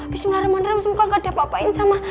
bismillahirrahmanirrahim semoga gak ada apa apain sama